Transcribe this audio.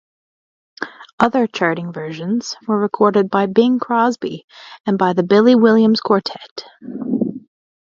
Other charting versions were recorded by Bing Crosby and by the Billy Williams Quartet.